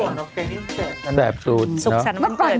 เมื่อก่อนเนอะเกรงนี้มันแบบ